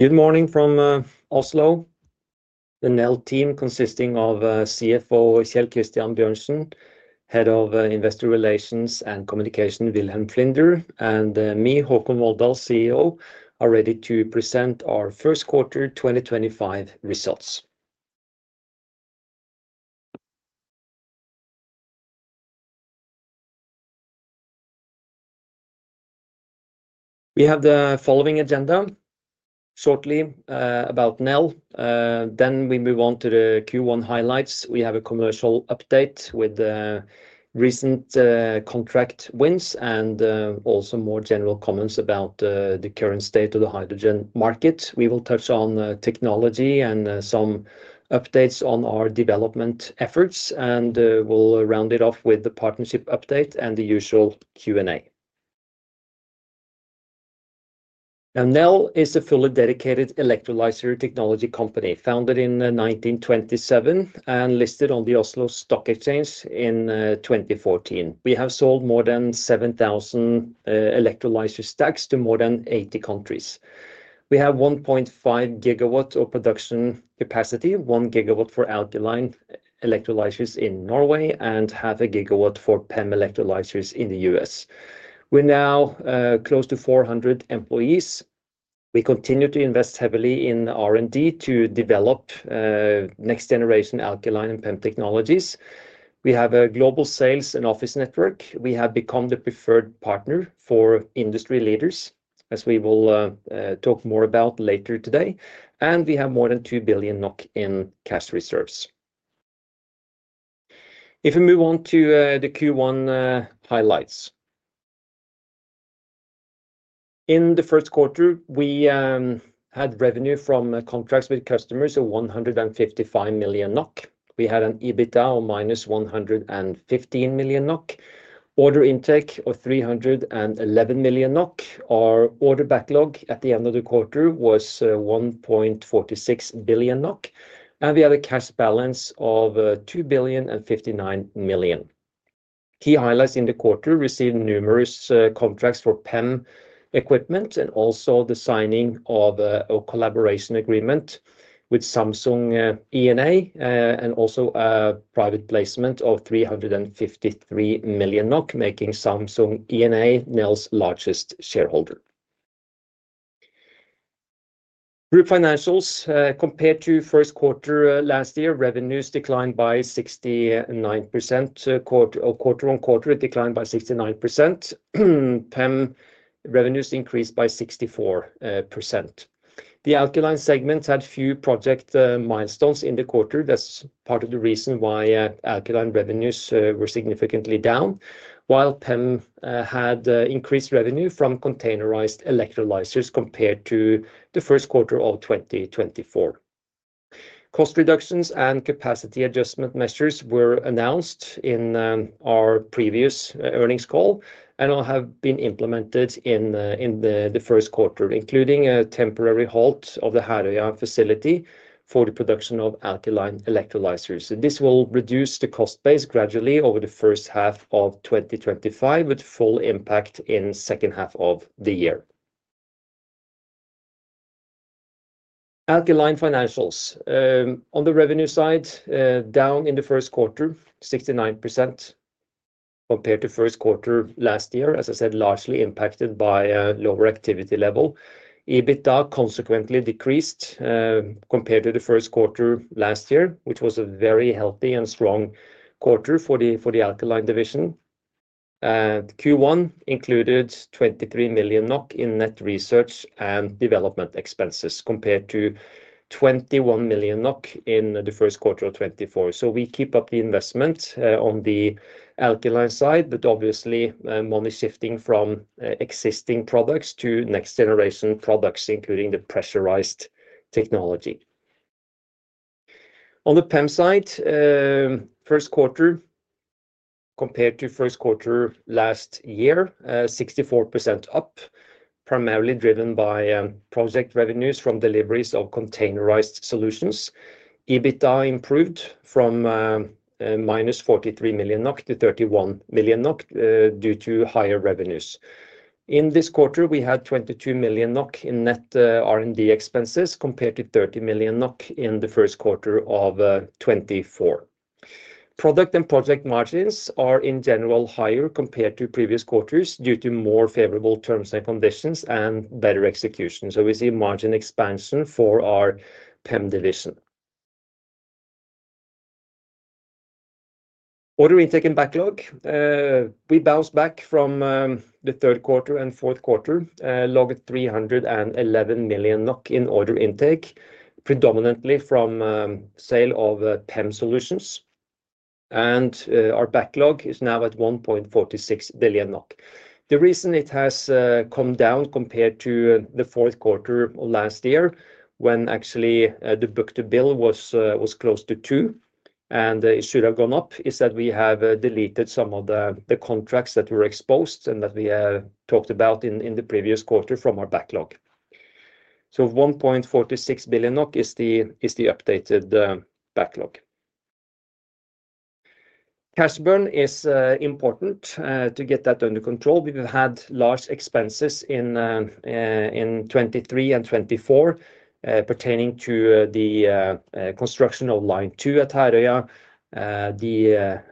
Good morning from Oslo. The Nel team, consisting of CFO Kjell Christian Bjørnsen, Head of Investor Relations and Communication Wilhelm Flinder, and me, Håkon Volldal, CEO, are ready to present our first quarter 2025 results. We have the following agenda: shortly, about Nel. Then we move on to the Q1 highlights. We have a commercial update with recent contract wins and also more general comments about the current state of the hydrogen market. We will touch on technology and some updates on our development efforts, and we'll round it off with the partnership update and the usual Q&A. Nel is a fully dedicated electrolyzer technology company founded in 1927 and listed on the Oslo Stock Exchange in 2014. We have sold more than 7,000 electrolyzer stacks to more than 80 countries. We have 1.5 GW of production capacity, 1 GW for alkaline electrolysers in Norway, and 0.5 GW for PEM electrolysers in the U.S. We are now close to 400 employees. We continue to invest heavily in R&D to develop next-generation alkaline and PEM technologies. We have a global sales and office network. We have become the preferred partner for industry leaders, as we will talk more about later today. We have more than 2 billion NOK in cash reserves. If we move on to the Q1 highlights. In the first quarter, we had revenue from contracts with customers of 155 million NOK. We had an EBITDA of minus 115 million NOK, order intake of 311 million NOK. Our order backlog at the end of the quarter was 1.46 billion NOK, and we had a cash balance of 2.059 billion. Key highlights in the quarter: received numerous contracts for PEM equipment and also the signing of a collaboration agreement with Samsung E&A and also a private placement of 353 million NOK, making Samsung E&A Nel's largest shareholder. Group financials, compared to first quarter last year, revenues declined by 69%. Quarter-on-quarter, it declined by 69%. PEM revenues increased by 64%. The alkaline segments had few project milestones in the quarter. That's part of the reason why alkaline revenues were significantly down, while PEM had increased revenue from containerized electrolysers compared to the first quarter of 2024. Cost reductions and capacity adjustment measures were announced in our previous earnings call and have been implemented in the first quarter, including a temporary halt of the Herøya facility for the production of alkaline electrolysers. This will reduce the cost base gradually over the first half of 2025, with full impact in the second half of the year. Alkaline financials, on the revenue side, down in the first quarter, 69% compared to first quarter last year. As I said, largely impacted by a lower activity level. EBITDA consequently decreased, compared to the first quarter last year, which was a very healthy and strong quarter for the alkaline division. Q1 included 23 million NOK in net research and development expenses compared to 21 million NOK in the first quarter of 2024. We keep up the investment, on the alkaline side, but obviously, money shifting from existing products to next-generation products, including the pressurized technology. On the PEM side, first quarter compared to first quarter last year, 64% up, primarily driven by project revenues from deliveries of containerized solutions. EBITDA improved from -43 million-31 million NOK, due to higher revenues. In this quarter, we had 22 million NOK in net R&D expenses compared to 30 million NOK in the first quarter of 2024. Product and project margins are in general higher compared to previous quarters due to more favorable terms and conditions and better execution. We see margin expansion for our PEM division. Order intake and backlog, we bounced back from the third quarter and fourth quarter, logged 311 million NOK in order intake, predominantly from sale of PEM solutions. Our backlog is now at 1.46 billion NOK. The reason it has come down compared to the fourth quarter of last year, when actually, the book-to-bill was close to two, and it should have gone up, is that we have deleted some of the contracts that were exposed and that we have talked about in the previous quarter from our backlog. 1.46 billion NOK is the updated backlog. Cash burn is important, to get that under control. We've had large expenses in 2023 and 2024, pertaining to the construction of line two at Herøya, the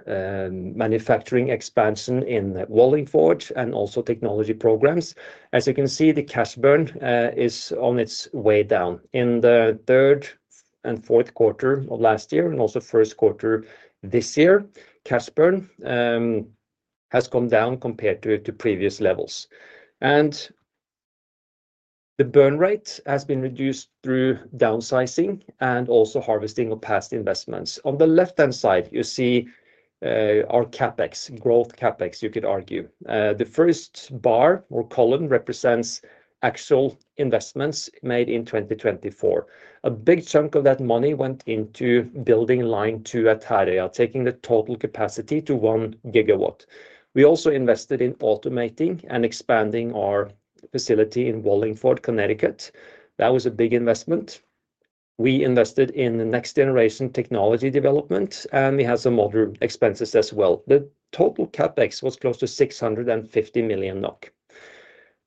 manufacturing expansion in Wallingford, and also technology programs. As you can see, the cash burn is on its way down. In the third and fourth quarter of last year, and also first quarter this year, cash burn has come down compared to previous levels. The burn rate has been reduced through downsizing and also harvesting of past investments. On the left-hand side, you see our CapEx, growth CapEx, you could argue. The first bar or column represents actual investments made in 2024. A big chunk of that money went into building line two at Herøya, taking the total capacity to 1 gigawatt. We also invested in automating and expanding our facility in Wallingford, Connecticut. That was a big investment. We invested in next-generation technology development, and we had some other expenses as well. The total CapEx was close to 650 million NOK.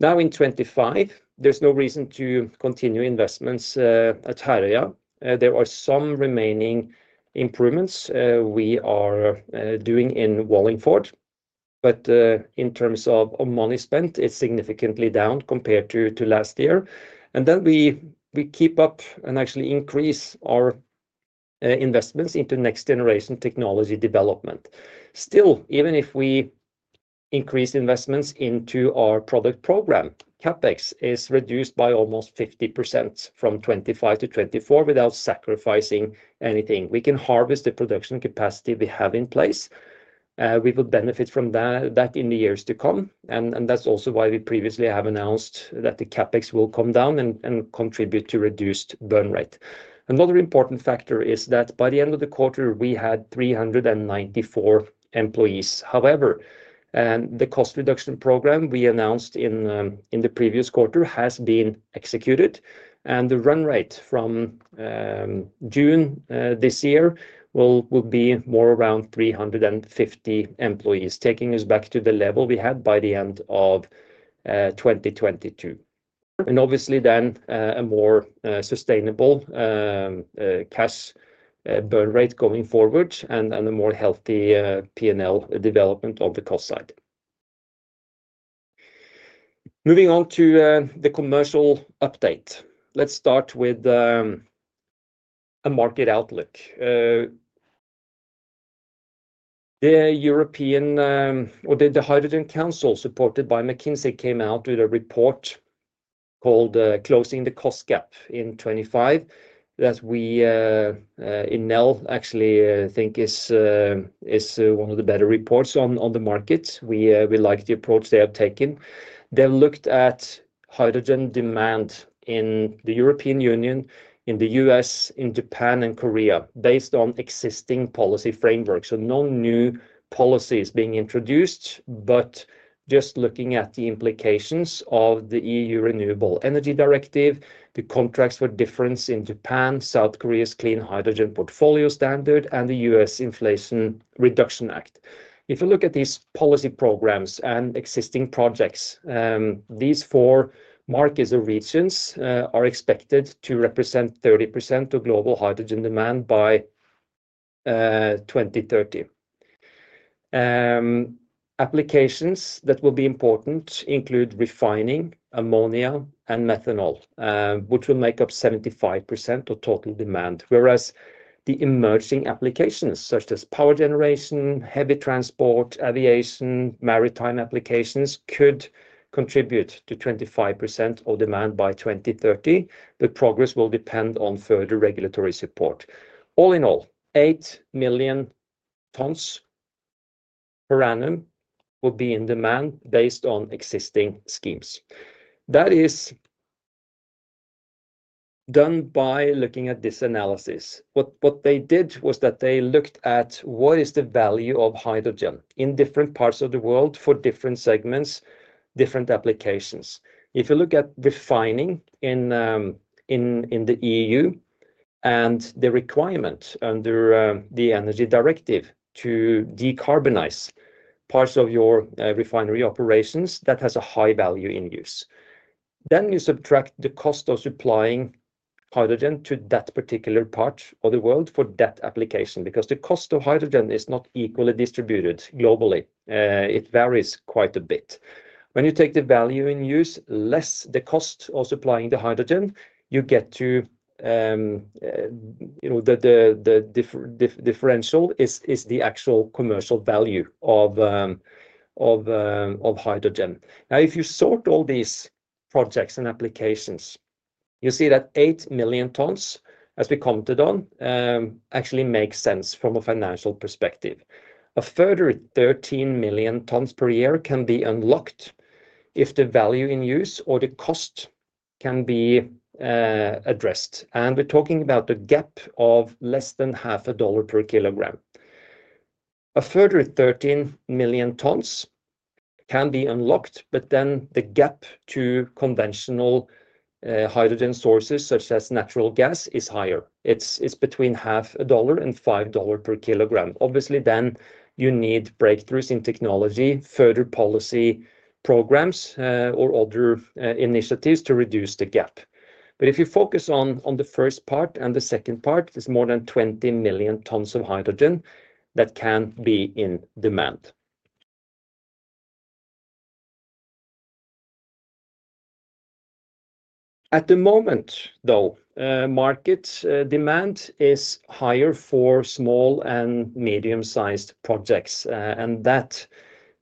In 2025, there is no reason to continue investments at Herøya. There are some remaining improvements we are doing in Wallingford, but in terms of money spent, it is significantly down compared to last year. We keep up and actually increase our investments into next-generation technology development. Still, even if we increase investments into our product program, CapEx is reduced by almost 50% from 2025-2024 without sacrificing anything. We can harvest the production capacity we have in place. We will benefit from that in the years to come. That is also why we previously have announced that the CapEx will come down and contribute to reduced burn rate. Another important factor is that by the end of the quarter, we had 394 employees. However, the cost reduction program we announced in the previous quarter has been executed, and the run rate from June this year will be more around 350 employees, taking us back to the level we had by the end of 2022. Obviously then, a more sustainable cash burn rate going forward, and a more healthy P&L development of the cost side. Moving on to the commercial update. Let's start with a market outlook. The European, or the Hydrogen Council supported by McKinsey came out with a report called Closing the Cost Gap in 2025 that we in Nel actually think is one of the better reports on the market. We like the approach they have taken. They've looked at hydrogen demand in the European Union, in the U.S., in Japan, and Korea based on existing policy frameworks. No new policies being introduced, but just looking at the implications of the EU Renewable Energy Directive, the Contracts for Difference in Japan, South Korea's Clean Hydrogen Portfolio Standard, and the U.S. Inflation Reduction Act. If you look at these policy programs and existing projects, these four markets or regions are expected to represent 30% of global hydrogen demand by 2030. Applications that will be important include refining, ammonia, and methanol, which will make up 75% of total demand, whereas the emerging applications such as power generation, heavy transport, aviation, maritime applications could contribute to 25% of demand by 2030. The progress will depend on further regulatory support. All in all, 8 million tons per annum will be in demand based on existing schemes. That is done by looking at this analysis. What they did was that they looked at what is the value of hydrogen in different parts of the world for different segments, different applications. If you look at refining in the EU and the requirement under the energy directive to decarbonize parts of your refinery operations, that has a high value in use. You subtract the cost of supplying hydrogen to that particular part of the world for that application, because the cost of hydrogen is not equally distributed globally. It varies quite a bit. When you take the value in use less the cost of supplying the hydrogen, you get to, you know, the differential is the actual commercial value of hydrogen. Now, if you sort all these projects and applications, you'll see that 8 million tons, as we commented on, actually makes sense from a financial perspective. A further 13 million tons per year can be unlocked if the value in use or the cost can be addressed. We're talking about the gap of less than $0.50 per kilogram. A further 13 million tons can be unlocked, but then the gap to conventional hydrogen sources such as natural gas is higher. It's between $0.5 and $5 per kilogram. Obviously, you need breakthroughs in technology, further policy programs, or other initiatives to reduce the gap. If you focus on the first part and the second part, there's more than 20 million tons of hydrogen that can be in demand. At the moment, though, market demand is higher for small and medium-sized projects, and that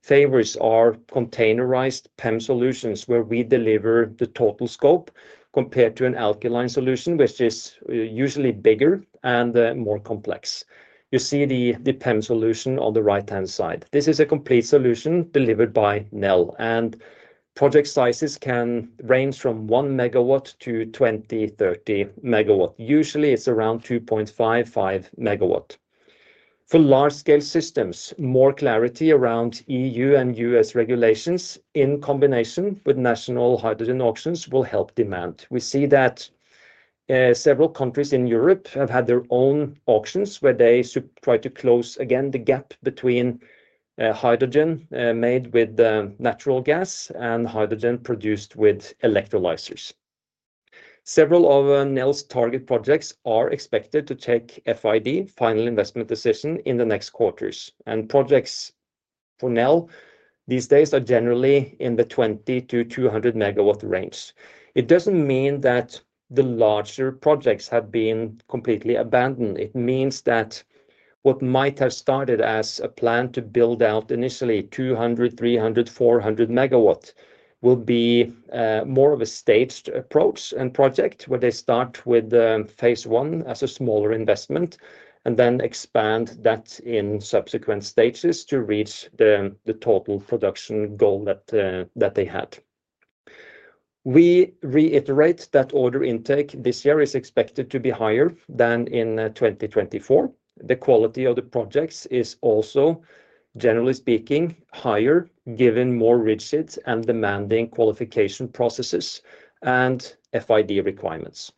favors our containerized PEM solutions where we deliver the total scope compared to an alkaline solution, which is usually bigger and more complex. You see the PEM solution on the right-hand side. This is a complete solution delivered by Nel, and project sizes can range from 1 MW to 20MW-30 MW. Usually, it's around 2.5 MW-5 MW. For large-scale systems, more clarity around EU and U.S. regulations in combination with national hydrogen auctions will help demand. We see that several countries in Europe have had their own auctions where they try to close again the gap between hydrogen made with natural gas and hydrogen produced with electrolysers. Several of Nel's target projects are expected to take FID, final investment decision, in the next quarters. Projects for Nel these days are generally in the 20 MW-200 MW range. It does not mean that the larger projects have been completely abandoned. It means that what might have started as a plan to build out initially 200, 300, 400 MW will be more of a staged approach and project where they start with phase one as a smaller investment and then expand that in subsequent stages to reach the total production goal that they had. We reiterate that order intake this year is expected to be higher than in 2024. The quality of the projects is also, generally speaking, higher given more rigid and demanding qualification processes and FID requirements.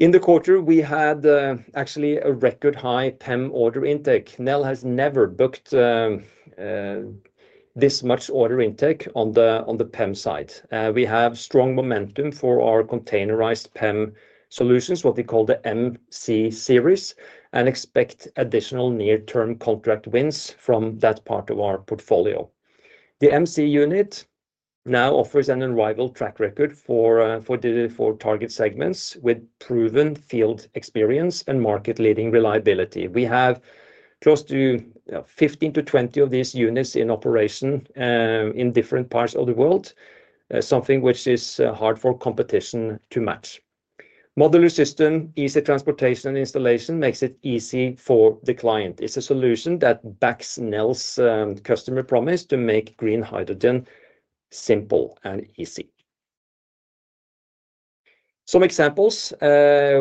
In the quarter, we had, actually a record high PEM order intake. Nel has never booked this much order intake on the PEM side. We have strong momentum for our containerized PEM solutions, what we call the MC Series, and expect additional near-term contract wins from that part of our portfolio. The MC unit now offers an unrivaled track record for the target segments with proven field experience and market-leading reliability. We have close to 15-20 of these units in operation, in different parts of the world, something which is hard for competition to match. Modular system, easy transportation and installation makes it easy for the client. It's a solution that backs Nel's customer promise to make green hydrogen simple and easy. Some examples,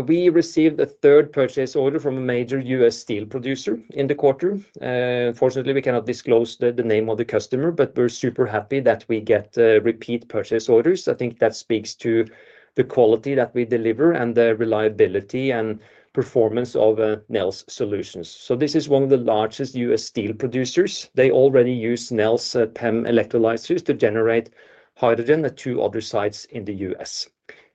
we received a third purchase order from a major U.S. steel producer in the quarter. Unfortunately, we cannot disclose the name of the customer, but we're super happy that we get repeat purchase orders. I think that speaks to the quality that we deliver and the reliability and performance of Nel's solutions. This is one of the largest U.S. steel producers. They already use Nel's PEM electrolysers to generate hydrogen at two other sites in the U.S.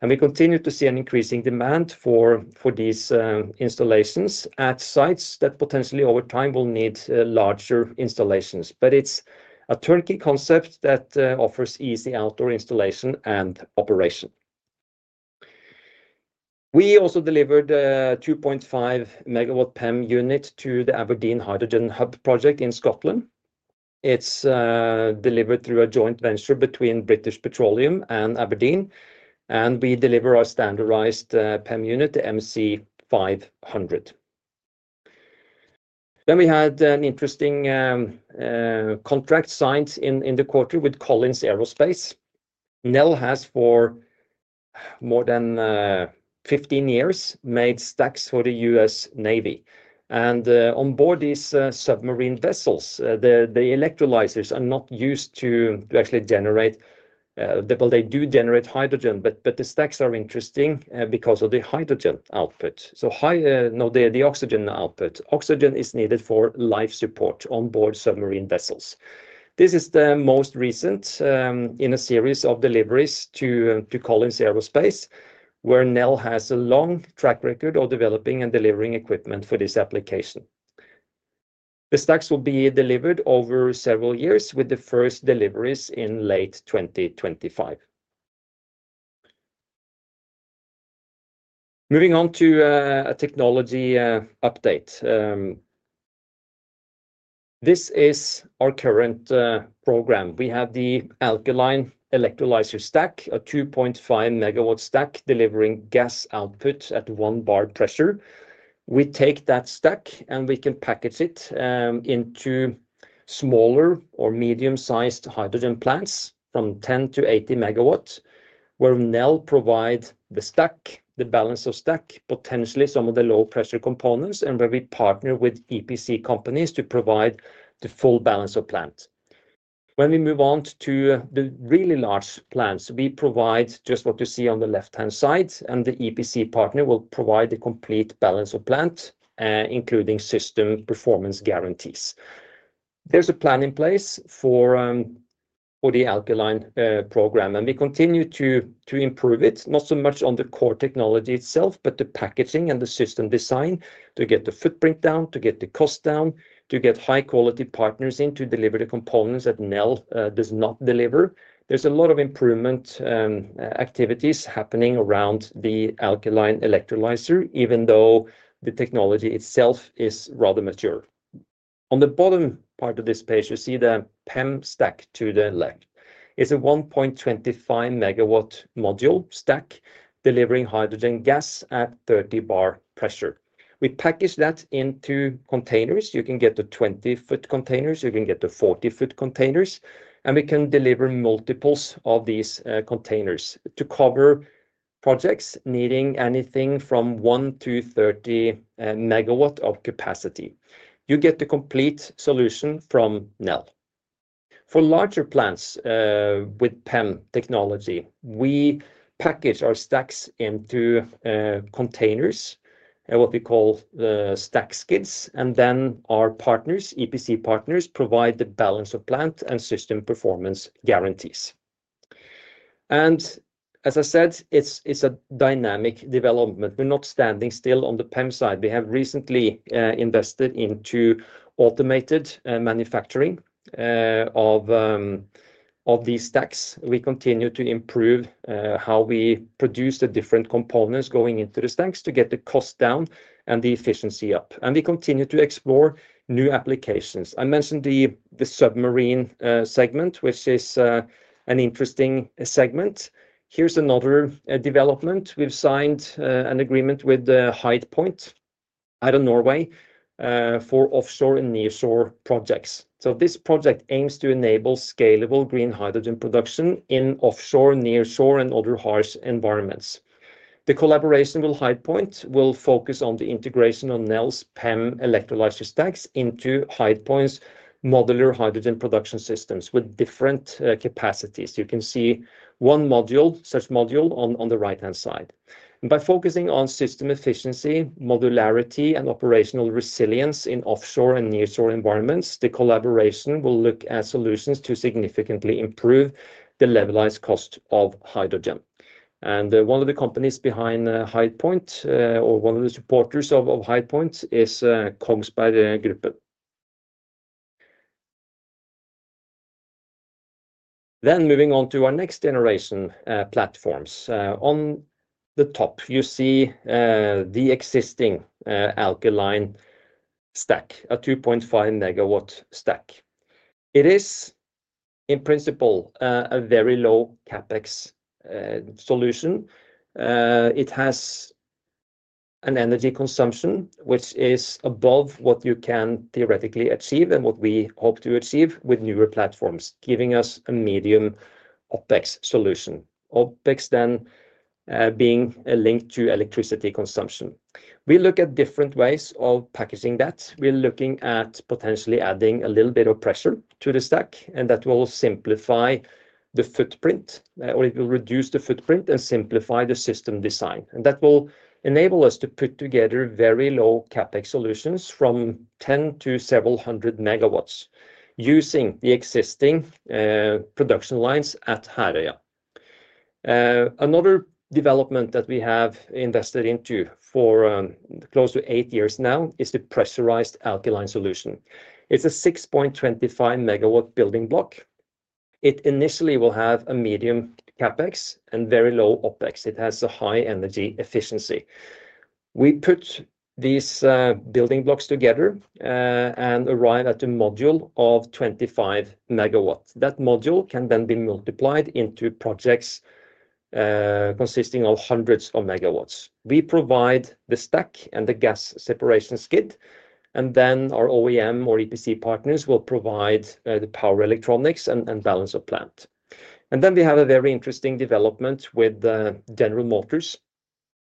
We continue to see an increasing demand for these installations at sites that potentially over time will need larger installations. It is a turnkey concept that offers easy outdoor installation and operation. We also delivered a 2.5 MW PEM unit to the Aberdeen Hydrogen Hub project in Scotland. is delivered through a joint venture between BP and Aberdeen, and we deliver our standardized PEM unit, the MC500. We had an interesting contract signed in the quarter with Collins Aerospace. Nel has, for more than 15 years, made stacks for the U.S. Navy. On board these submarine vessels, the electrolysers are not used to actually generate, well, they do generate hydrogen, but the stacks are interesting because of the hydrogen output. So high, no, the oxygen output. Oxygen is needed for life support on board submarine vessels. This is the most recent in a series of deliveries to Collins Aerospace, where Nel has a long track record of developing and delivering equipment for this application. The stacks will be delivered over several years, with the first deliveries in late 2025. Moving on to a technology update. This is our current program. We have the alkaline electrolyser stack, a 2.5 MW stack delivering gas output at 1 bar pressure. We take that stack and we can package it, into smaller or medium-sized hydrogen plants from 10 MW-80 MW, where Nel provides the stack, the balance of stack, potentially some of the low-pressure components, and where we partner with EPC companies to provide the full balance of plant. When we move on to the really large plants, we provide just what you see on the left-hand side, and the EPC partner will provide the complete balance of plant, including system performance guarantees. There's a plan in place for the alkaline program, and we continue to improve it, not so much on the core technology itself, but the packaging and the system design to get the footprint down, to get the cost down, to get high-quality partners in to deliver the components that Nel does not deliver. There's a lot of improvement activities happening around the alkaline electrolyzer, even though the technology itself is rather mature. On the bottom part of this page, you see the PEM stack to the left. It's a 1.25 MW module stack delivering hydrogen gas at 30 bar pressure. We package that into containers. You can get the 20-foot containers. You can get the 40-foot containers, and we can deliver multiples of these containers to cover projects needing anything from 1 MW-30 MW of capacity. You get the complete solution from Nel. For larger plants, with PEM technology, we package our stacks into containers, what we call stack skids, and then our partners, EPC partners, provide the balance of plant and system performance guarantees. As I said, it's a dynamic development. We're not standing still on the PEM side. We have recently invested into automated manufacturing of these stacks. We continue to improve how we produce the different components going into the stacks to get the cost down and the efficiency up. We continue to explore new applications. I mentioned the submarine segment, which is an interesting segment. Here's another development. We've signed an agreement with HydePoint out of Norway, for offshore and nearshore projects. This project aims to enable scalable green hydrogen production in offshore, nearshore, and other harsh environments. The collaboration with HydePoint will focus on the integration of Nel's PEM electrolyzer stacks into HydePoint's modular hydrogen production systems with different capacities. You can see one module, such module on the right-hand side. By focusing on system efficiency, modularity, and operational resilience in offshore and nearshore environments, the collaboration will look at solutions to significantly improve the levelized cost of hydrogen. One of the companies behind HydePoint, or one of the supporters of HydePoint, is Kongsberg Gruppen. Moving on to our next-generation platforms. On the top, you see the existing alkaline stack, a 2.5 MW stack. It is, in principle, a very low CapEx solution. It has an energy consumption which is above what you can theoretically achieve and what we hope to achieve with newer platforms, giving us a medium OpEx solution. OpEx then, being a link to electricity consumption. We look at different ways of packaging that. We're looking at potentially adding a little bit of pressure to the stack, and that will simplify the footprint, or it will reduce the footprint and simplify the system design. That will enable us to put together very low CapEx solutions from 10 to several hundred MWs using the existing production lines at Herøya. Another development that we have invested into for close to eight years now is the pressurized alkaline solution. It's a 6.25 MW building block. It initially will have a medium CapEx and very low OpEx. It has a high energy efficiency. We put these building blocks together, and arrive at a module of 25 MW. That module can then be multiplied into projects consisting of hundreds of MWs. We provide the stack and the gas separation skid, and our OEM or EPC partners will provide the power electronics and balance of plant. We have a very interesting development with General Motors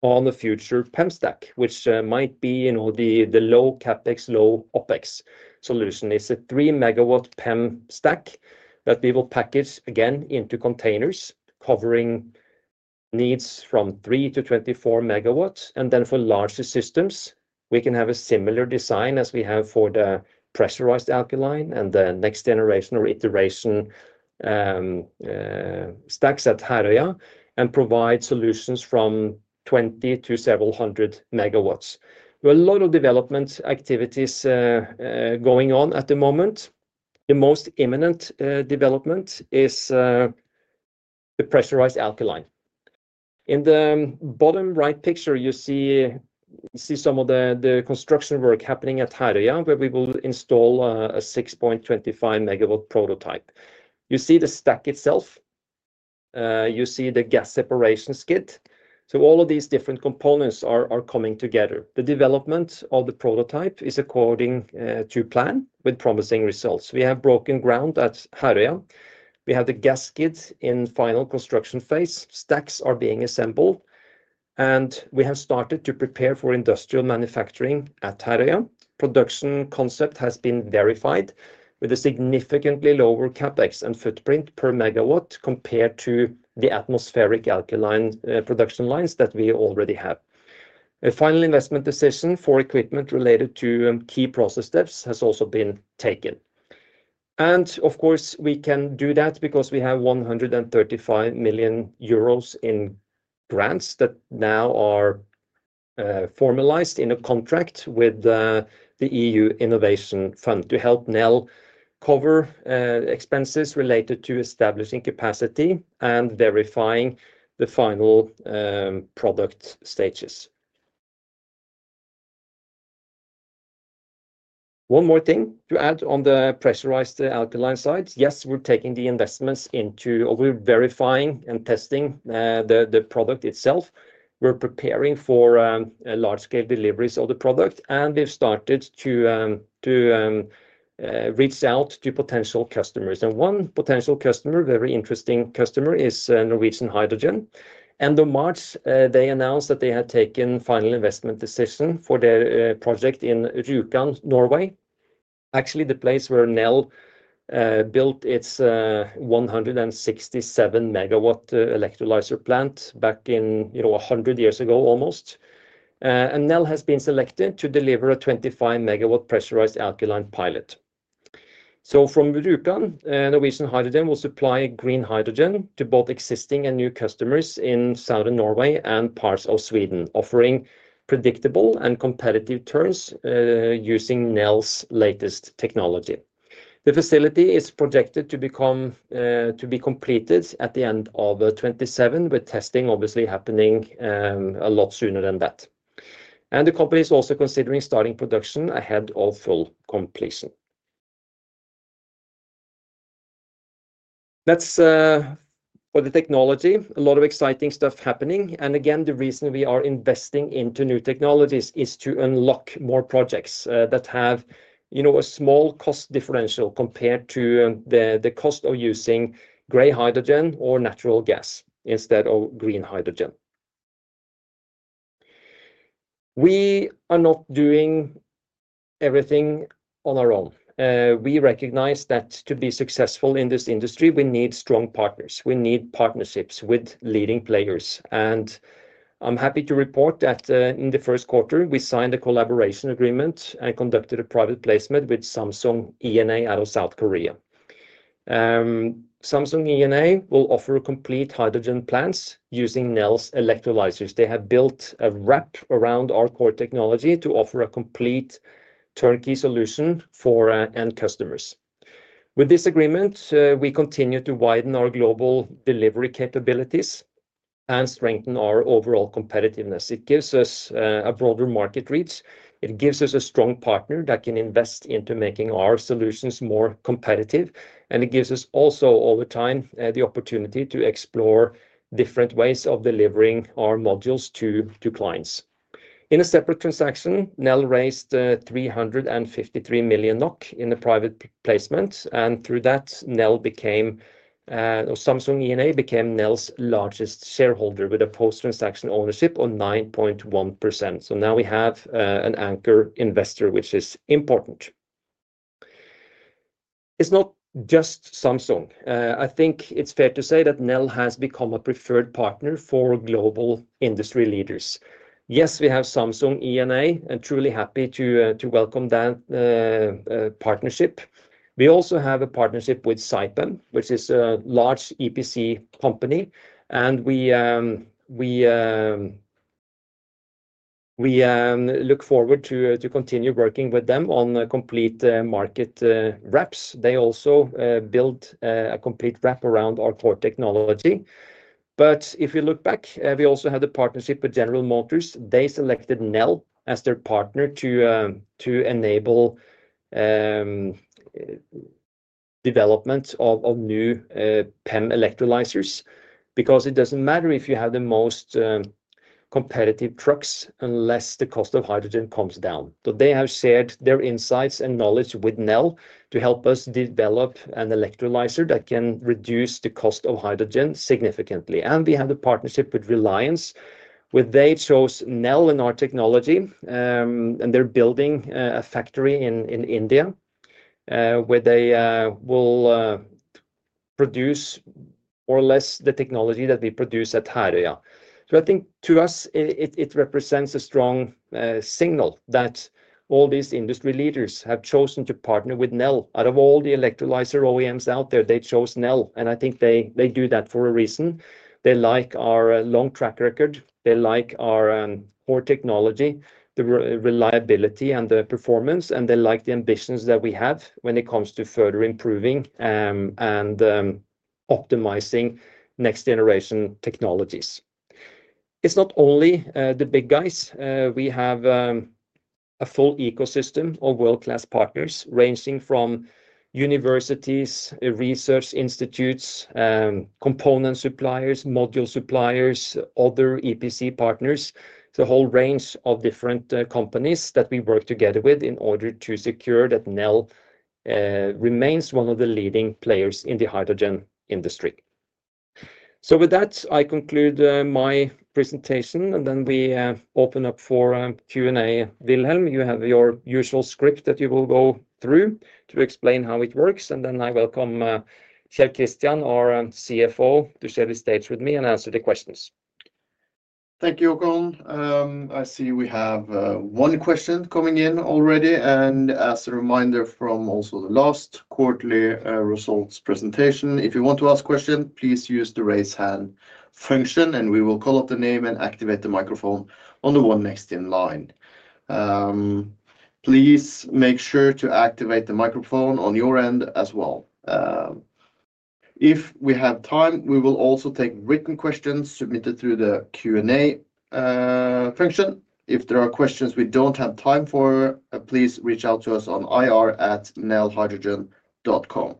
on the future PEM stack, which might be an all low CapEx, low OpEx solution. It is a 3 MW PEM stack that we will package again into containers covering needs from 3 MW-24 MW. For larger systems, we can have a similar design as we have for the pressurized alkaline and the next generation or iteration stacks at Herøya and provide solutions from 20 to several hundred MWs. We have a lot of development activities going on at the moment. The most imminent development is the pressurized alkaline. In the bottom right picture, you see some of the construction work happening at Herøya, where we will install a 6.25 MW prototype. You see the stack itself. You see the gas separation skid. All of these different components are coming together. The development of the prototype is according to plan with promising results. We have broken ground at Herøya. We have the gas skid in final construction phase. Stacks are being assembled, and we have started to prepare for industrial manufacturing at Herøya. Production concept has been verified with a significantly lower CapEx and footprint per MW compared to the atmospheric alkaline production lines that we already have. A final investment decision for equipment related to key process steps has also been taken. Of course, we can do that because we have 135 million euros in grants that now are formalized in a contract with the EU Innovation Fund to help Nel cover expenses related to establishing capacity and verifying the final product stages. One more thing to add on the pressurized alkaline side. Yes, we're taking the investments into or we're verifying and testing the product itself. We're preparing for large-scale deliveries of the product, and we've started to reach out to potential customers. One potential customer, very interesting customer, is Norwegian Hydrogen. End of March, they announced that they had taken final investment decision for their project in Rjukan, Norway. Actually, the place where Nel built its 167 MW electrolyzer plant back in, you know, 100 years ago almost. Nel has been selected to deliver a 25 MW pressurized alkaline pilot. From Rjukan, Norwegian Hydrogen will supply green hydrogen to both existing and new customers in southern Norway and parts of Sweden, offering predictable and competitive terms, using Nel's latest technology. The facility is projected to be completed at the end of 2027, with testing obviously happening a lot sooner than that. The company is also considering starting production ahead of full completion. That is, for the technology, a lot of exciting stuff happening. Again, the reason we are investing into new technologies is to unlock more projects that have, you know, a small cost differential compared to the cost of using gray hydrogen or natural gas instead of green hydrogen. We are not doing everything on our own. We recognize that to be successful in this industry, we need strong partners. We need partnerships with leading players. I'm happy to report that in the first quarter, we signed a collaboration agreement and conducted a private placement with Samsung E&A out of South Korea. Samsung E&A will offer complete hydrogen plants using Nel's electrolysers. They have built a wrap around our core technology to offer a complete turnkey solution for end customers. With this agreement, we continue to widen our global delivery capabilities and strengthen our overall competitiveness. It gives us a broader market reach. It gives us a strong partner that can invest into making our solutions more competitive. It also gives us all the time the opportunity to explore different ways of delivering our modules to clients. In a separate transaction, Nel raised 353 million NOK in a private placement. Through that, Samsung E&A became Nel's largest shareholder with a post-transaction ownership of 9.1%. Now we have an anchor investor, which is important. It's not just Samsung. I think it's fair to say that Nel has become a preferred partner for global industry leaders. Yes, we have Samsung E&A and truly happy to welcome that partnership. We also have a partnership with Saipem, which is a large EPC company. We look forward to continue working with them on complete market wraps. They also build a complete wrap around our core technology. But if you look back, we also had a partnership with General Motors. They selected Nel as their partner to enable development of new PEM electrolysers because it doesn't matter if you have the most competitive trucks unless the cost of hydrogen comes down. They have shared their insights and knowledge with Nel to help us develop an electrolyzer that can reduce the cost of hydrogen significantly. We have a partnership with Reliance, where they chose Nel and our technology, and they are building a factory in India, where they will produce more or less the technology that we produce at Herøya. I think to us, it represents a strong signal that all these industry leaders have chosen to partner with Nel. Out of all the electrolyzer OEMs out there, they chose Nel. I think they do that for a reason. They like our long track record. They like our core technology, the reliability and the performance, and they like the ambitions that we have when it comes to further improving and optimizing next-generation technologies. It's not only the big guys. We have a full ecosystem of world-class partners ranging from universities, research institutes, component suppliers, module suppliers, other EPC partners. It is a whole range of different companies that we work together with in order to secure that Nel remains one of the leading players in the hydrogen industry. With that, I conclude my presentation, and then we open up for Q&A. Wilhelm, you have your usual script that you will go through to explain how it works, and then I welcome Kjell Christian, our CFO, to share the stage with me and answer the questions. Thank you, Håkon. I see we have one question coming in already. As a reminder from also the last quarterly results presentation, if you want to ask a question, please use the raise hand function, and we will call up the name and activate the microphone on the one next in line. Please make sure to activate the microphone on your end as well. If we have time, we will also take written questions submitted through the Q&A function. If there are questions we do not have time for, please reach out to us on ir@nelhydrogen.com.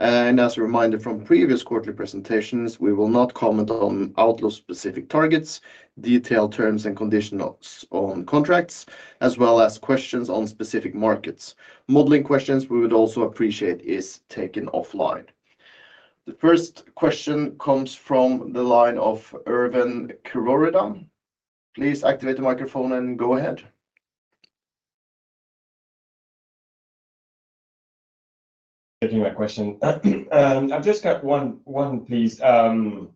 As a reminder from previous quarterly presentations, we will not comment on outlaw specific targets, detailed terms and conditions on contracts, as well as questions on specific markets. Modeling questions we would also appreciate are taken offline. The first question comes from the line of Erwan Kerouredan. Please activate the microphone and go ahead. Thank you for taking my question. I have just got one one, please. On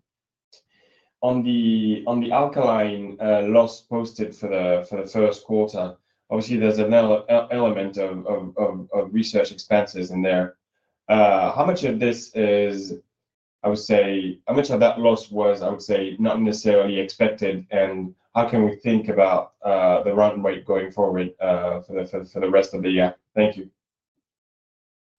the on the alkaline loss posted for the for the first quarter, obviously there is an element of of of research expenses in there. How much of this is, I would say, how much of that loss was, I would say, not necessarily expected? How can we think about the run rate going forward for the rest of the year? Thank you.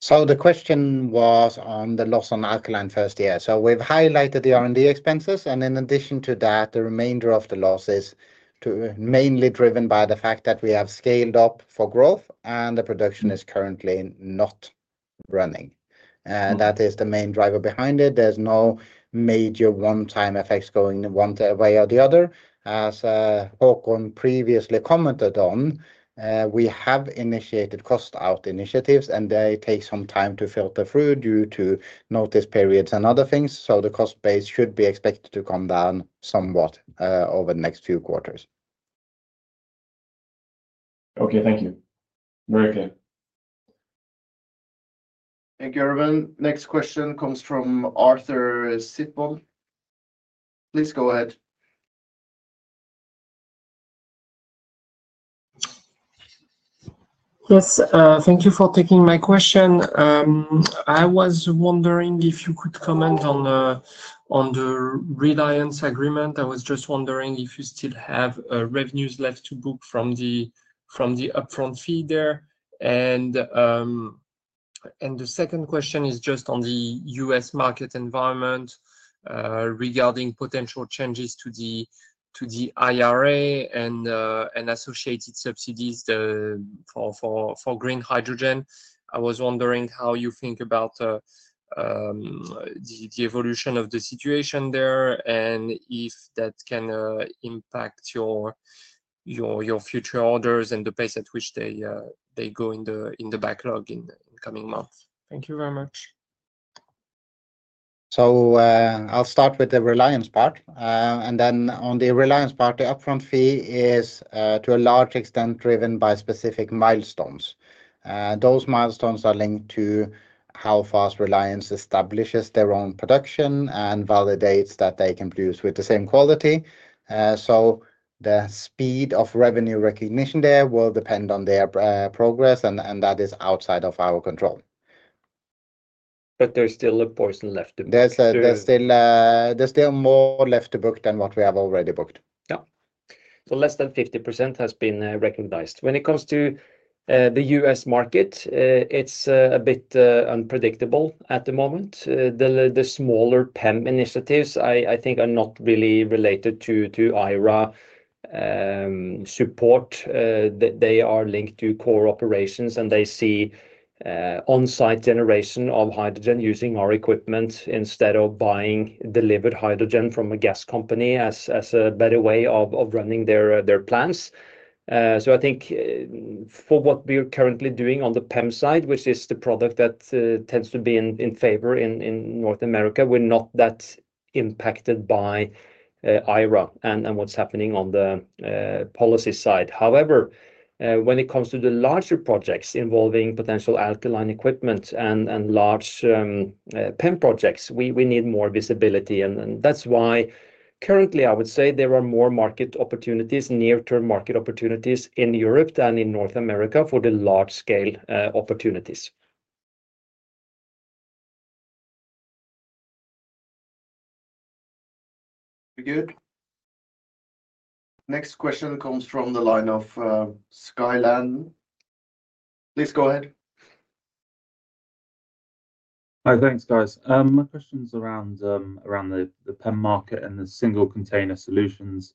The question was on the loss on alkaline first year. We have highlighted the R&D expenses, and in addition to that, the remainder of the loss is mainly driven by the fact that we have scaled up for growth, and the production is currently not running. That is the main driver behind it. There are no major one-time effects going one way or the other. As Håkon previously commented on, we have initiated cost-out initiatives, and they take some time to filter through due to notice periods and other things. The cost base should be expected to come down somewhat over the next few quarters. Okay, thank you. Very good. Thank you, Erwan. Next question comes from Arthur Sitbon. Please go ahead. Yes, thank you for taking my question. I was wondering if you could comment on the Reliance agreement. I was just wondering if you still have revenues left to book from the upfront fee there. The second question is just on the U.S. market environment, regarding potential changes to the IRA and associated subsidies for green hydrogen. I was wondering how you think about the evolution of the situation there and if that can impact your future orders and the pace at which they go in the backlog in coming months. Thank you very much. I will start with the Reliance part. And then on the Reliance part, the upfront fee is, to a large extent, driven by specific milestones. Those milestones are linked to how fast Reliance establishes their own production and validates that they can produce with the same quality. The speed of revenue recognition there will depend on their progress, and that is outside of our control. There is still a portion left to book. There is still more left to book than what we have already booked. Yeah. Less than 50% has been recognized. When it comes to the U.S. market, it is a bit unpredictable at the moment. The smaller PEM initiatives, I think, are not really related to IRA support. They are linked to core operations, and they see on-site generation of hydrogen using our equipment instead of buying delivered hydrogen from a gas company as a better way of running their plants. I think, for what we're currently doing on the PEM side, which is the product that tends to be in favor in North America, we're not that impacted by IRA and what's happening on the policy side. However, when it comes to the larger projects involving potential alkaline equipment and large PEM projects, we need more visibility. That's why currently, I would say there are more market opportunities, near-term market opportunities in Europe than in North America for the large-scale opportunities. Very good. Next question comes from the line of Skye Landon. Please go ahead. Hi, thanks, guys. My question's around the PEM market and the single container solutions.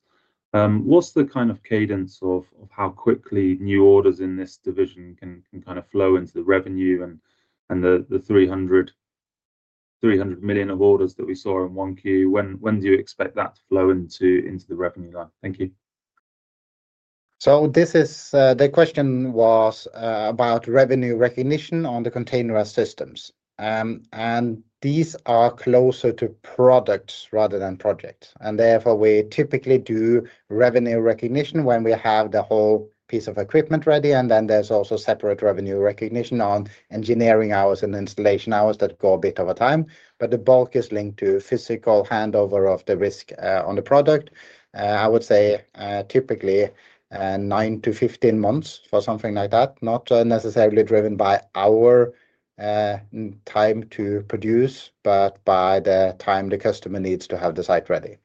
What's the kind of cadence of how quickly new orders in this division can kind of flow into the revenue and the 300 million of orders that we saw in Q1? When do you expect that to flow into the revenue line? Thank you. The question was about revenue recognition on the container systems. These are closer to products rather than projects. Therefore, we typically do revenue recognition when we have the whole piece of equipment ready. There is also separate revenue recognition on engineering hours and installation hours that go a bit over time. The bulk is linked to physical handover of the risk on the product. I would say, typically, nine to fifteen months for something like that, not necessarily driven by our time to produce, but by the time the customer needs to have the site ready.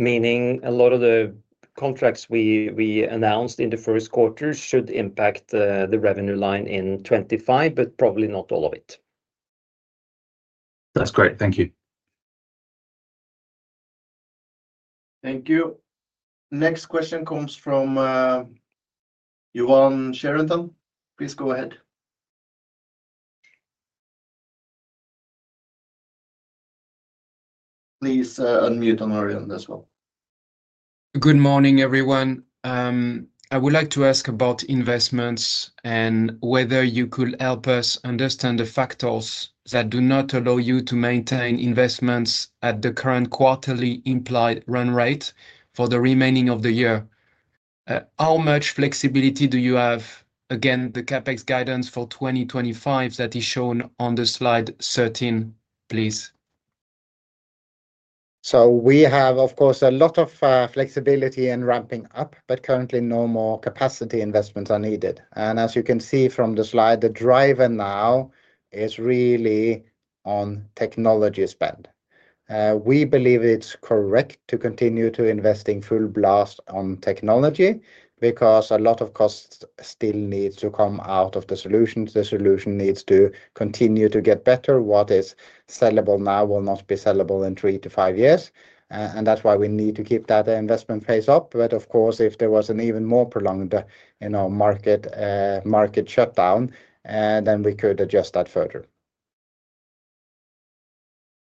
Meaning a lot of the contracts we announced in the first quarter should impact the revenue line in 2025, but probably not all of it. That's great. Thank you. Thank you. Next question comes from Yoann Charenton. Please go ahead. Please unmute on Orion as well. Good morning, everyone. I would like to ask about investments and whether you could help us understand the factors that do not allow you to maintain investments at the current quarterly implied run rate for the remaining of the year. How much flexibility do you have against the CapEx guidance for 2025 that is shown on slide 13, please? We have, of course, a lot of flexibility in ramping up, but currently no more capacity investments are needed. As you can see from the slide, the driver now is really on technology spend. We believe it's correct to continue to invest in full blast on technology because a lot of costs still need to come out of the solution. The solution needs to continue to get better. What is sellable now will not be sellable in 3-5 years. That is why we need to keep that investment phase up. Of course, if there was an even more prolonged, you know, market, market shutdown, then we could adjust that further.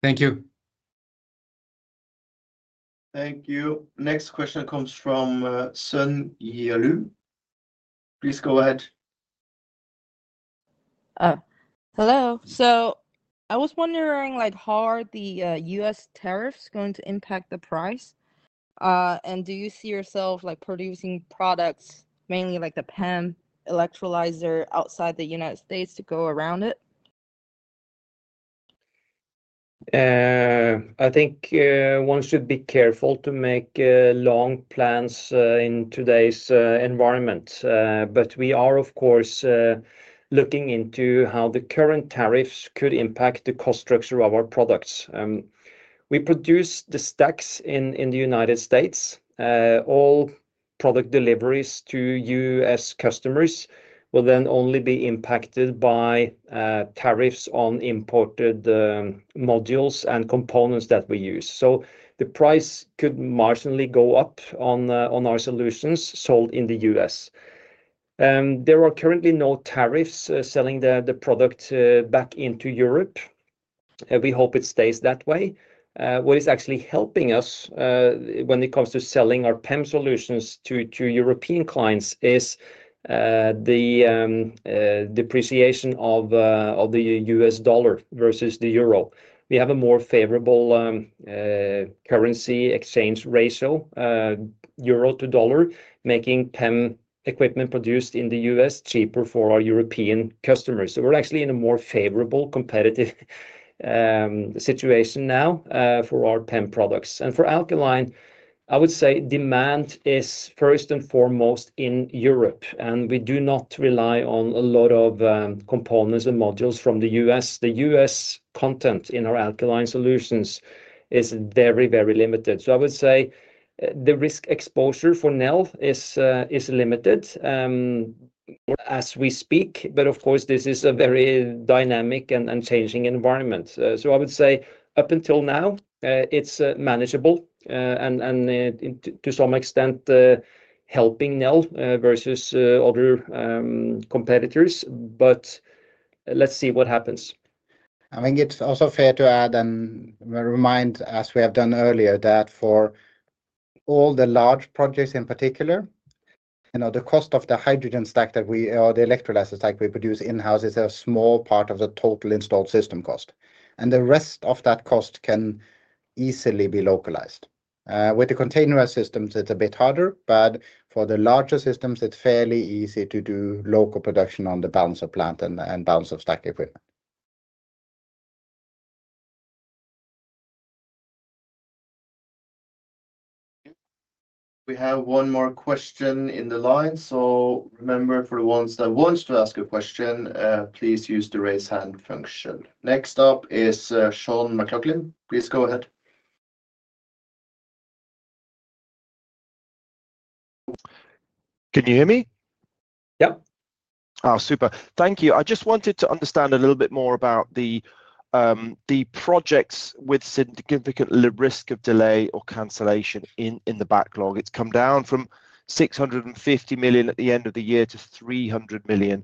Thank you. Thank you. Next question comes from Xinyi Lu. Please go ahead. Hello. I was wondering, like, how are the U.S. tariffs going to impact the price? Do you see yourself, like, producing products mainly like the PEM electrolyzer outside the United States to go around it? I think one should be careful to make long plans in today's environment. We are, of course, looking into how the current tariffs could impact the cost structure of our products. We produce the stacks in the United States. All product deliveries to U.S. customers will then only be impacted by tariffs on imported modules and components that we use. The price could marginally go up on our solutions sold in the U.S. There are currently no tariffs selling the product back into Europe. We hope it stays that way. What is actually helping us when it comes to selling our PEM solutions to European clients is the depreciation of the U.S. dollar versus the euro. We have a more favorable currency exchange ratio, euro to dollar, making PEM equipment produced in the U.S. cheaper for our European customers. We are actually in a more favorable competitive situation now for our PEM products. For alkaline, I would say demand is first and foremost in Europe, and we do not rely on a lot of components and modules from the U.S. The U.S. content in our alkaline solutions is very, very limited. I would say the risk exposure for Nel is limited, as we speak. Of course, this is a very dynamic and changing environment. I would say up until now, it is manageable, and to some extent, helping Nel versus other competitors. Let us see what happens. I think it's also fair to add and remind, as we have done earlier, that for all the large projects in particular, you know, the cost of the hydrogen stack that we, or the electrolyzer stack we produce in-house, is a small part of the total installed system cost. The rest of that cost can easily be localized. With the container systems, it's a bit harder, but for the larger systems, it's fairly easy to do local production on the balance of plant and balance of stack equipment. We have one more question in the line. Remember, for the ones that want to ask a question, please use the raise hand function. Next up is Sean McLoughlin. Please go ahead. Can you hear me? Yep. Oh, super. Thank you. I just wanted to understand a little bit more about the projects with significant risk of delay or cancellation in the backlog. It's come down from 650 million at the end of the year to 300 million.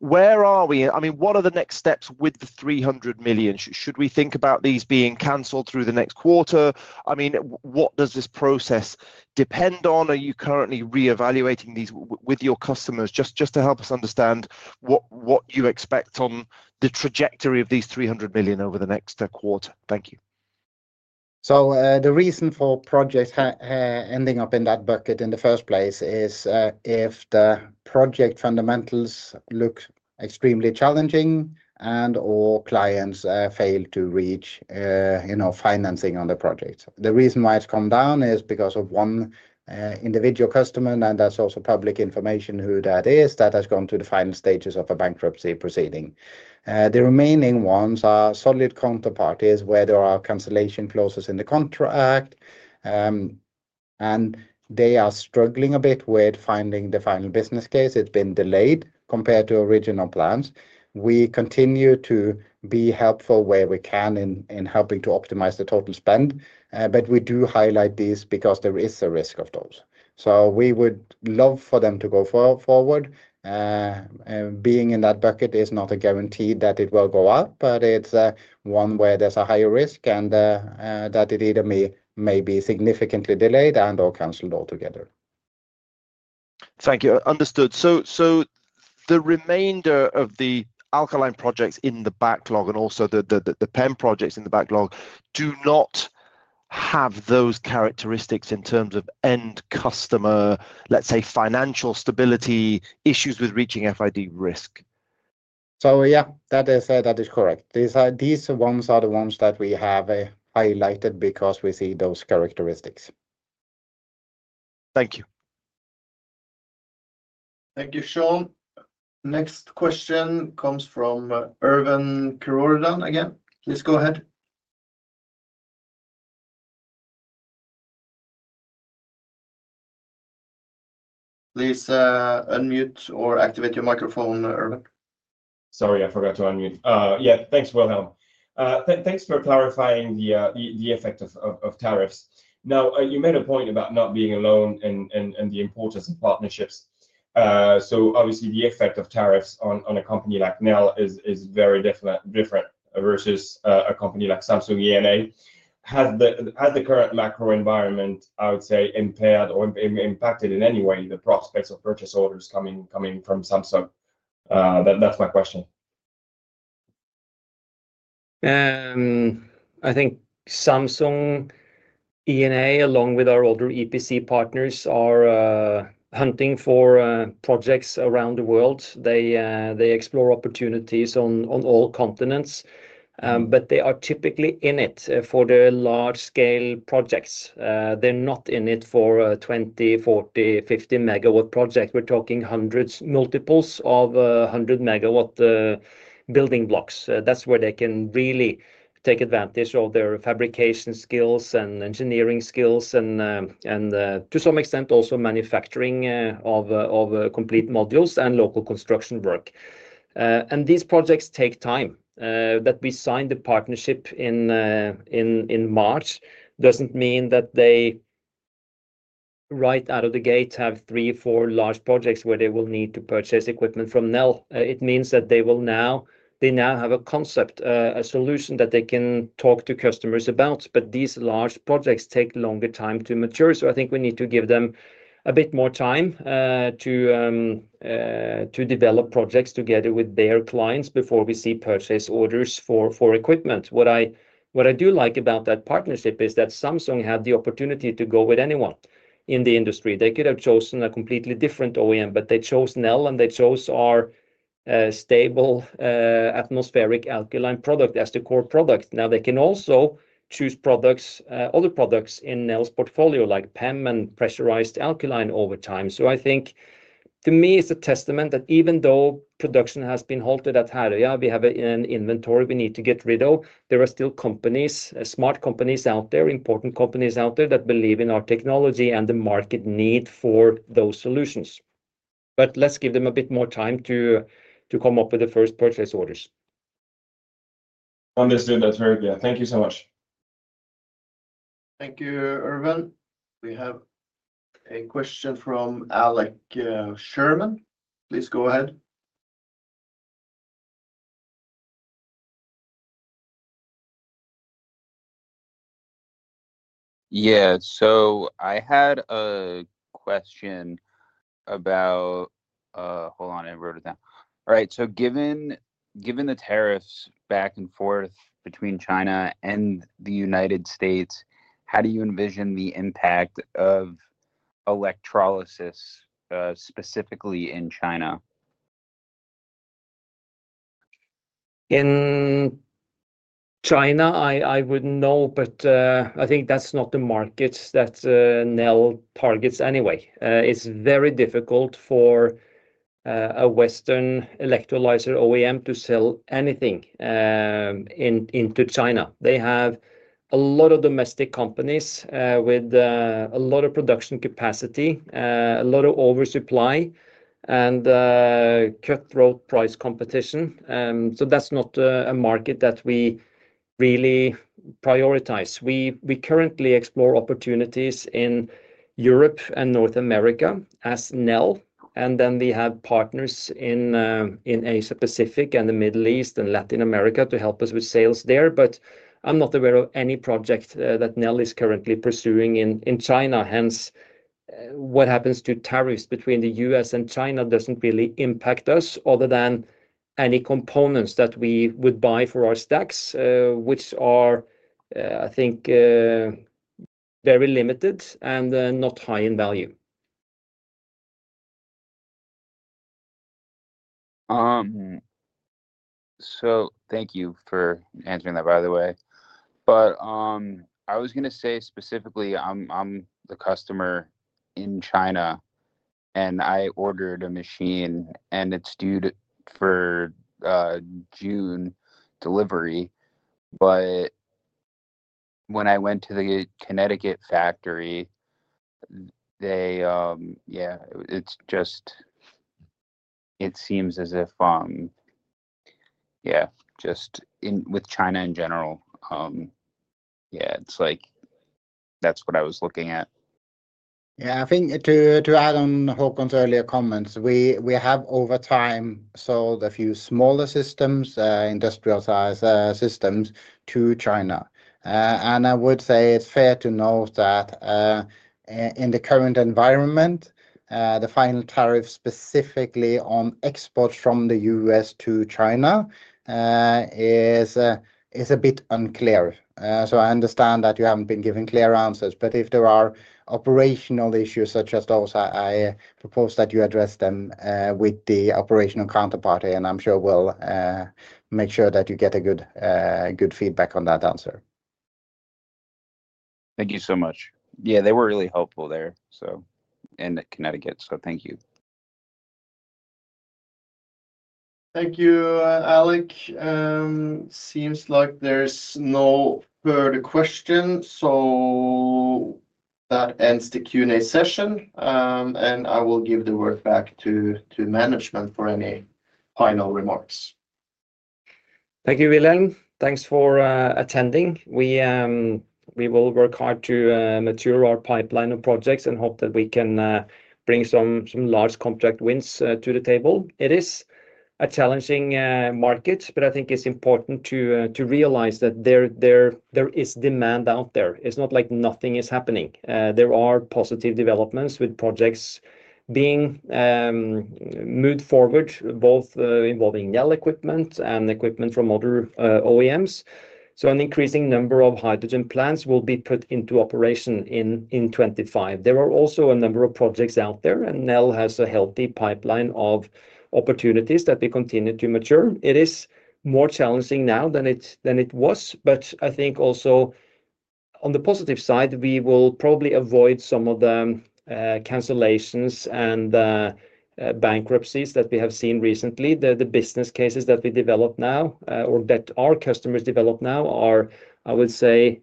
Where are we? I mean, what are the next steps with the 300 million? Should we think about these being canceled through the next quarter? I mean, what does this process depend on? Are you currently reevaluating these with your customers? Just to help us understand what you expect on the trajectory of these 300 million over the next quarter. Thank you. The reason for projects ending up in that bucket in the first place is if the project fundamentals look extremely challenging and/or clients fail to reach, you know, financing on the project. The reason why it's come down is because of one individual customer, and that's also public information who that is, that has gone to the final stages of a bankruptcy proceeding. The remaining ones are solid counterparties where there are cancellation clauses in the contract, and they are struggling a bit with finding the final business case. It's been delayed compared to original plans. We continue to be helpful where we can in helping to optimize the total spend, but we do highlight these because there is a risk of those. We would love for them to go forward. Being in that bucket is not a guarantee that it will go up, but it's one where there's a higher risk and that it either may be significantly delayed and/or canceled altogether. Thank you. Understood. The remainder of the alkaline projects in the backlog and also the PEM projects in the backlog do not have those characteristics in terms of end customer, let's say, financial stability issues with reaching FID risk. That is correct. These are the ones that we have highlighted because we see those characteristics. Thank you. Thank you, Sean. Next question comes from Erwan Kerouredan again. Please go ahead. Please unmute or activate your microphone, Erwan. Sorry, I forgot to unmute. Yeah, thanks, Wilhelm. Thanks for clarifying the effect of tariffs. You made a point about not being alone and the importance of partnerships. Obviously, the effect of tariffs on a company like Nel is very different versus a company like Samsung E&A. Has the current macro environment, I would say, impaired or impacted in any way the prospects of purchase orders coming from Samsung? That's my question. I think Samsung E&A, along with our older EPC partners, are hunting for projects around the world. They explore opportunities on all continents, but they are typically in it for the large-scale projects. They're not in it for a 20, 40, 50 MW project. We're talking hundreds, multiples of 100 MW building blocks. That's where they can really take advantage of their fabrication skills and engineering skills and, to some extent, also manufacturing of complete modules and local construction work. These projects take time. That we signed the partnership in March doesn't mean that they right out of the gate have three or four large projects where they will need to purchase equipment from Nel. It means that they now have a concept, a solution that they can talk to customers about, but these large projects take longer time to mature. I think we need to give them a bit more time to develop projects together with their clients before we see purchase orders for equipment. What I do like about that partnership is that Samsung had the opportunity to go with anyone in the industry. They could have chosen a completely different OEM, but they chose Nel and they chose our stable atmospheric alkaline product as the core product. Now they can also choose products, other products in Nel's portfolio like PEM and pressurized alkaline over time. I think to me it's a testament that even though production has been halted at Herøya, we have an inventory we need to get rid of, there are still companies, smart companies out there, important companies out there that believe in our technology and the market need for those solutions. Let's give them a bit more time to come up with the first purchase orders. Understood. That's very clear. Thank you so much. Thank you, Erwan. We have a question from Alec Sherman. Please go ahead. Yeah, I had a question about, hold on, I wrote it down. All right, given the tariffs back and forth between China and the United States, how do you envision the impact of electrolysis, specifically in China? In China, I wouldn't know, but I think that's not the markets that Nel targets anyway. It's very difficult for a Western electrolyser OEM to sell anything into China. They have a lot of domestic companies with a lot of production capacity, a lot of oversupply, and cutthroat price competition. That's not a market that we really prioritize. We currently explore opportunities in Europe and North America as Nel, and then we have partners in Asia Pacific and the Middle East and Latin America to help us with sales there. I'm not aware of any project that Nel is currently pursuing in China. Hence, what happens to tariffs between the U.S. and China doesn't really impact us other than any components that we would buy for our stacks, which are, I think, very limited and not high in value. Thank you for answering that, by the way. I was going to say specifically, I'm the customer in China and I ordered a machine and it's due for June delivery. When I went to the Connecticut factory, it seems as if, just in with China in general, that's what I was looking at. I think to add on Håkon's earlier comments, we have over time sold a few smaller systems, industrial-size systems to China. I would say it's fair to note that, in the current environment, the final tariff specifically on exports from the U.S. to China is a bit unclear. I understand that you have not been given clear answers, but if there are operational issues such as those, I propose that you address them with the operational counterparty, and I am sure we will make sure that you get good feedback on that answer. Thank you so much. Yeah, they were really helpful there, and at Connecticut, so thank you. Thank you, Alec. Seems like there are no further questions, so that ends the Q&A session, and I will give the word back to management for any final remarks. Thank you, Wilhelm. Thanks for attending. We will work hard to mature our pipeline of projects and hope that we can bring some large contract wins to the table. It is a challenging market, but I think it is important to realize that there is demand out there. It is not like nothing is happening. There are positive developments with projects being moved forward, both involving Nel equipment and equipment from other OEMs. An increasing number of hydrogen plants will be put into operation in 2025. There are also a number of projects out there, and Nel has a healthy pipeline of opportunities that we continue to mature. It is more challenging now than it was, but I think also on the positive side, we will probably avoid some of the cancellations and bankruptcies that we have seen recently. The business cases that we develop now, or that our customers develop now, are, I would say,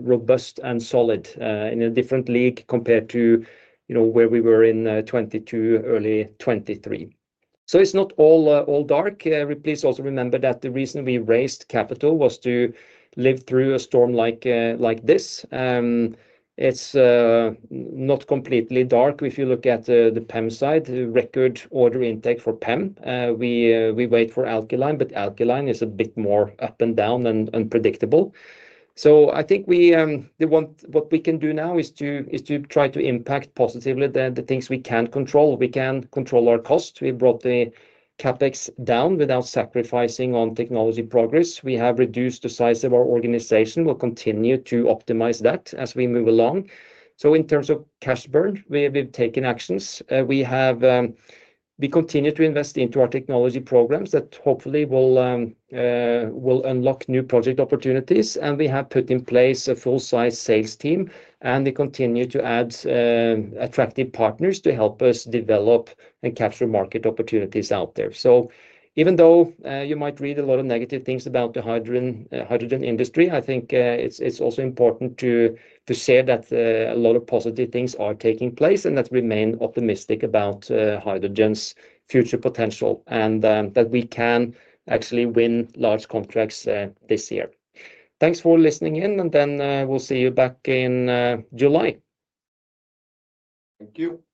robust and solid, in a different league compared to, you know, where we were in 2022, early 2023. It is not all dark. Please also remember that the reason we raised capital was to live through a storm like this. It's not completely dark. If you look at the PEM side, the record order intake for PEM, we wait for alkaline, but alkaline is a bit more up and down and unpredictable. I think what we can do now is to try to impact positively the things we can control. We can control our cost. We brought the CapEx down without sacrificing on technology progress. We have reduced the size of our organization. We'll continue to optimize that as we move along. In terms of cash burn, we've taken actions. We continue to invest into our technology programs that hopefully will unlock new project opportunities, and we have put in place a full-size sales team, and we continue to add attractive partners to help us develop and capture market opportunities out there. Even though you might read a lot of negative things about the hydrogen industry, I think it's also important to share that a lot of positive things are taking place and that I remain optimistic about hydrogen's future potential and that we can actually win large contracts this year. Thanks for listening in, and then we'll see you back in July. Thank you.